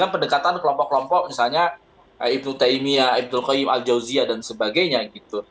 pendekatan kelompok kelompok misalnya ibn taymiyyah ibn qayyim al jawziyah dan sebagainya gitu